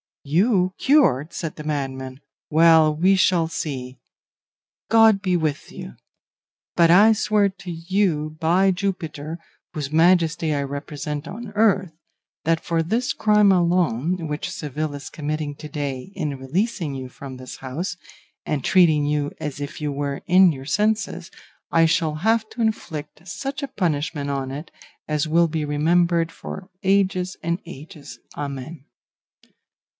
"'You cured!' said the madman; 'well, we shall see; God be with you; but I swear to you by Jupiter, whose majesty I represent on earth, that for this crime alone, which Seville is committing to day in releasing you from this house, and treating you as if you were in your senses, I shall have to inflict such a punishment on it as will be remembered for ages and ages, amen.